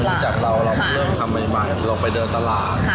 ไม่รู้จักเราเราก็เริ่มทำใหม่ลงไปเดินตลาด